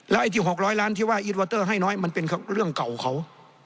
ไอ้ที่๖๐๐ล้านที่ว่าอีทวอเตอร์ให้น้อยมันเป็นเรื่องเก่าเขา